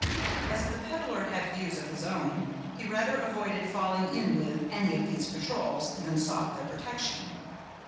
As the peddler had views of his own, he rather avoided falling in with any of these patrols, than sought their protection.